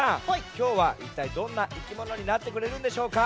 きょうはいったいどんないきものになってくれるんでしょうか？